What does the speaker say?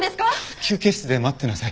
休憩室で待ってなさい。